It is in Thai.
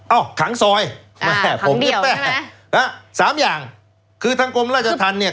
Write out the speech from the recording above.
เอ้าขังซอยขังเดี่ยวใช่ไหมสามอย่างคือทางกรมราชธรรมเนี้ย